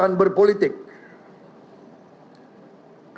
dan mereka berpuluh tahun terlibat dalam kegiatan berpolitik